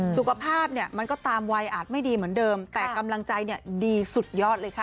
สุขภาพเนี่ยมันก็ตามวัยอาจไม่ดีเหมือนเดิมแต่กำลังใจเนี่ยดีสุดยอดเลยค่ะ